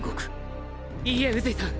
いいえ宇髄さん！